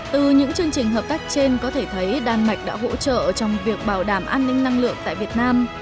từ những chương trình hợp tác trên có thể thấy đan mạch đã hỗ trợ trong việc bảo đảm an ninh năng lượng tại việt nam